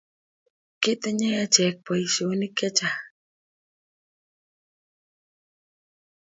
Kitinye acheg poisyonik chechang'.